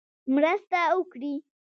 مرسته وکړي.